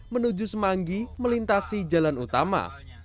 menuju semanggi melintasi jalan utama